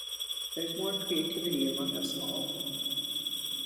There's more creativity among us all.